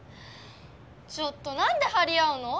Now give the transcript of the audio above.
ちょっとなんではり合うの？